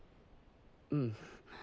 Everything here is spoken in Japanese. うん。